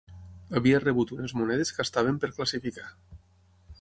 Havia rebut unes monedes que estaven per classificar